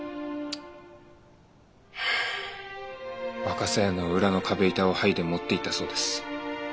わかさ屋の裏の壁板を剥いで持っていったそうです。